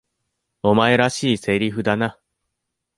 お前らしい台詞だな。